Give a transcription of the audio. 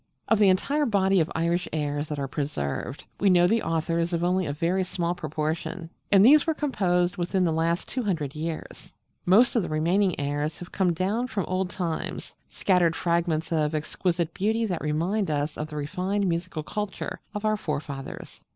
Of the entire body of Irish airs that are preserved, we know the authors of only a very small proportion; and these were composed within the last two hundred years. Most of the remaining airs have come down from old times, scattered fragments of exquisite beauty that remind us of the refined musical culture of our forefathers.